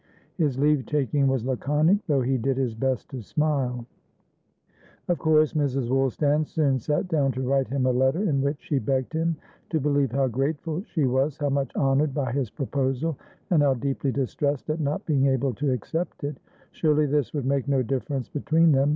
His leave taking was laconic, though he did his best to smile. Of course Mrs. Woolstan soon sat down to write him a letter, in which she begged him to believe how grateful she was, how much honoured by his proposal and how deeply distressed at not being able to accept it. Surely this would make no difference between them?